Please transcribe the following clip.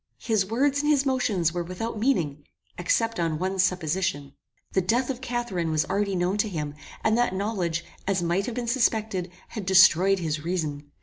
His words and his motions were without meaning, except on one supposition. The death of Catharine was already known to him, and that knowledge, as might have been suspected, had destroyed his reason.